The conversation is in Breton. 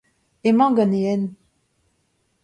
Emañ gant e hent.